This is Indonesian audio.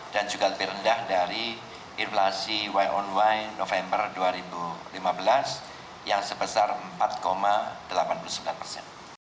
dan juga lebih rendah dari inflasi y on y november dua ribu lima belas yang sebesar empat delapan puluh sembilan persen